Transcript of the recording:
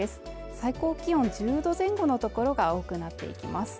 最高気温１０度前後の所が多くなっていきます